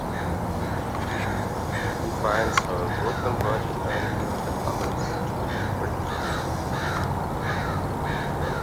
He finds her broken body under the collapsed bridge.